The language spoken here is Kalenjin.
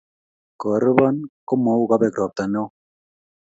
korbon kamou kobek robta neo